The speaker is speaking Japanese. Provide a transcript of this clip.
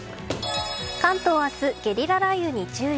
関東明日、ゲリラ雷雨に注意。